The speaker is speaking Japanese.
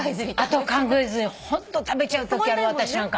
あと考えずに食べちゃうときあるわ私なんか。